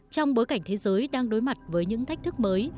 trong bối cảnh thế giới đang đối mặt với những thách thức mới